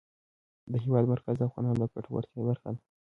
د هېواد مرکز د افغانانو د ګټورتیا برخه ده.